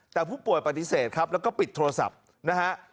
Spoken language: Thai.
แต่ผู้ป่วยปฏิเสธครับแล้วก็ปิดโทรศัพท์นะฮะ